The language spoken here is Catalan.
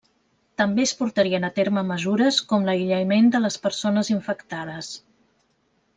També es portarien a terme mesures com l'aïllament de les persones infectades.